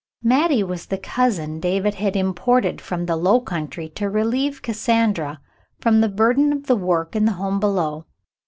Mattie was the cousin David had imported from the low countrv to relieve Cassandra from the burden of the work in the home below.